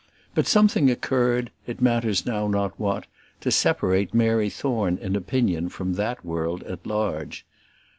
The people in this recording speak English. But something occurred, it matters now not what, to separate Mary Thorne in opinion from that world at large.